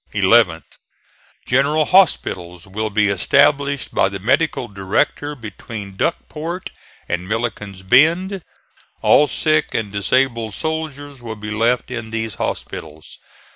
Eleventh. General hospitals will be established by the medical director between Duckport and Milliken's Bend. All sick and disabled soldiers will be left in these hospitals.